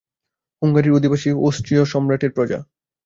হুঙ্গারির অধিবাসী অষ্ট্রীয় সম্রাটের প্রজা।